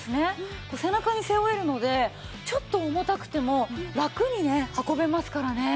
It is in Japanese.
背中に背負えるのでちょっと重たくてもラクにね運べますからね。